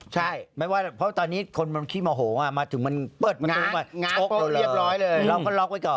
เพราะว่าตอนนี้คนมันขี้มะโหมามาถึงมันเปิดประตูมาโกรธโลเลย